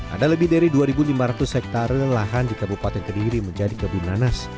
ada lebih dari dua lima ratus hektare lahan di kabupaten kediri menjadi kebun nanas